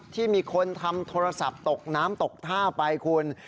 ที่มีคนทำโทรศัพท์ตกน้ำตกท่าไปคุณ